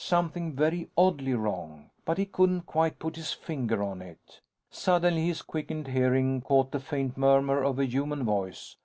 Something very oddly wrong. But he couldn't quite put his finger on it. Suddenly, his quickened hearing caught the faint murmur of a human voice.